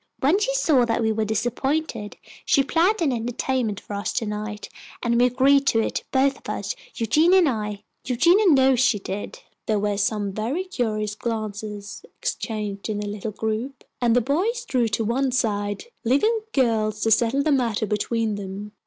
When she saw that we were disappointed, she planned an entertainment for us to night, and we agreed to it, both of us, Eugenia and I. Eugenia knows she did." There were some very curious glances exchanged in the little group, and the boys drew to one side, leaving the girls to settle the matter between them.